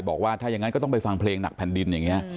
บอกว่าถ้าอย่างนั้นก็ต้องไปฟังเพลงหนักแผ่นดินอย่างนี้